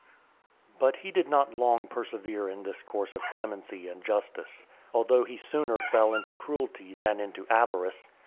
X. But he did not long persevere in this course of clemency and justice, although he sooner fell into cruelty than into avarice.